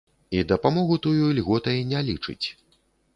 І дапамогу тую льготай не лічыць.